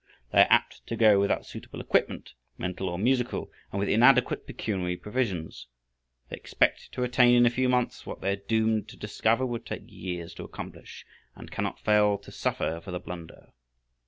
They are apt to go without suitable equipment, mental or musical, and with inadequate pecuniary provisions. They expect to attain in a few months what they are doomed to discover would take years to accomplish, and cannot fail to suffer for the blunder.